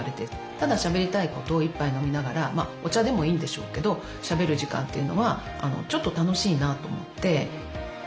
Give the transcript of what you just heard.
ただしゃべりたいことを一杯飲みながらお茶でもいいんでしょうけどしゃべる時間というのはちょっと楽しいなと思って。